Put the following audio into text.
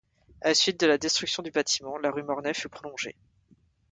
À la suite de la destruction du bâtiment, la rue Mornay fut prolongée.